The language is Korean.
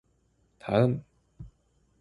다음!